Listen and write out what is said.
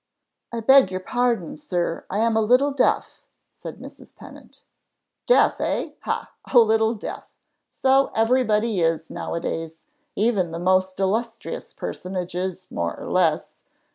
"I beg your pardon, sir: I am a little deaf," said Mrs. Pennant. "Deaf hey? Ha! a little deaf. So everybody is now a days; even the most illustrious personages, more or less.